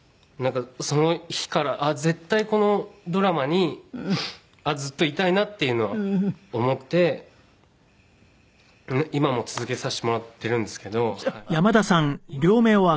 その日から絶対このドラマにずっといたいなっていうのは思って今も続けさせてもらってるんですけど。